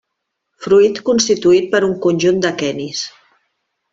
Fruit constituït per un conjunt d'aquenis.